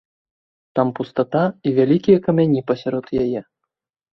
Там пустата і вялікія камяні пасярод яе.